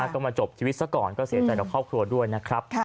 ก็มาจบชีวิตซะก่อนก็เสียใจกับครอบครัวด้วยนะครับ